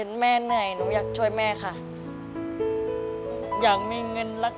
โทษครับ